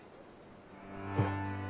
うん。